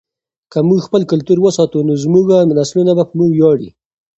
که موږ خپل کلتور وساتو نو زموږ نسلونه به په موږ ویاړي.